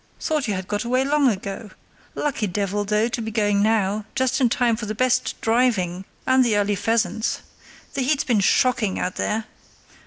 Thought you had got away long ago. Lucky devil, though, to be going now, just in time for the best driving and the early pheasants. The heat's been shocking out there.